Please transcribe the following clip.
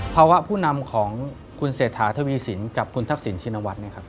ผู้นำของคุณเศรษฐาทวีสินกับคุณทักษิณชินวัฒน์